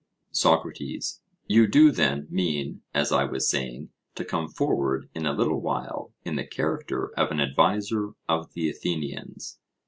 SOCRATES: You do, then, mean, as I was saying, to come forward in a little while in the character of an adviser of the Athenians?